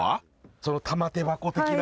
その玉手箱的な。